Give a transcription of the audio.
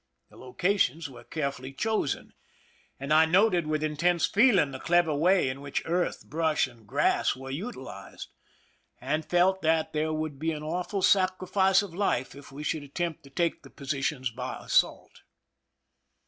The loca tions were carefully chosen, and I noted with intense feeling the clever way in which earth, brush, and grass were utilized, and felt that there 249 THE SINKING OF THE "MEERIMAC" would be an awfursacrifi.ee of life if we should attempt to take the positions by assault.